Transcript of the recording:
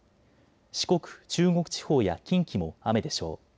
四国、中国地方や近畿も雨でしょう。